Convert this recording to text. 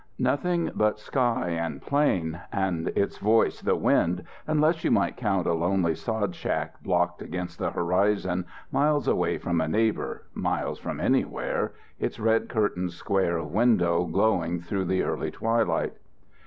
Nothing but sky and plain and its voice, the wind, unless you might count a lonely sod shack blocked against the horizon, miles away from a neighbour, miles from anywhere, its red curtained square of window glowing through the early twilight.